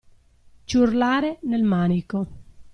Ciurlare nel manico.